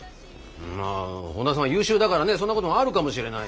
まあ本田さんは優秀だからねそんなこともあるかもしれないよ。